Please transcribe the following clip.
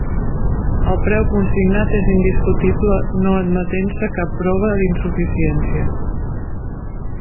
El preu consignat és indiscutible no admetent-se cap prova d'insuficiència.